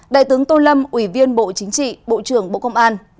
đại tướng tô lâm ủy viên bộ chính trị bộ trưởng bộ công an